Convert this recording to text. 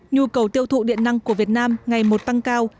nhu cầu tiêu thụ điện năng của việt nam ngày một tăng cao